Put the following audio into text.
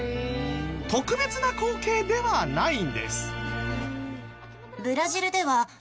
特別な光景ではないんです。